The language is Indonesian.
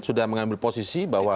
sudah mengambil posisi bahwa